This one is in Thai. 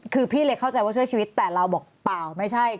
คือพี่เลยเข้าใจว่าช่วยชีวิตแต่เราบอกเปล่าไม่ใช่